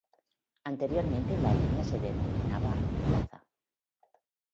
Anteriormente la línea se denominaba "Pza.